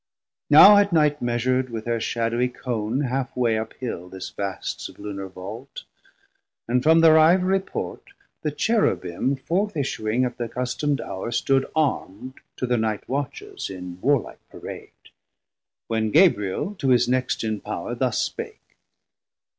Now had night measur'd with her shaddowie Cone Half way up Hill this vast Sublunar Vault, And from thir Ivorie Port the Cherubim Forth issuing at th' accustomd hour stood armd To thir night watches in warlike Parade, 780 When Gabriel to his next in power thus spake.